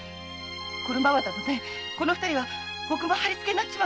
このままだとこの二人は獄門磔になっちまう。